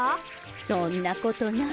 そんなことない。